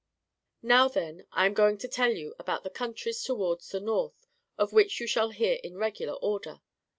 '^ Now, then, I am going to tell you about the countries towards the north, of which you shall hear in regular order.